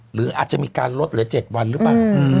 หรืออาจจะมีการลดเหลือ๗วันหรือเปล่า